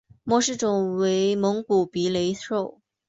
模式种为蒙古鼻雷兽。